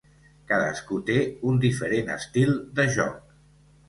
Cadascú té un diferent estil de joc.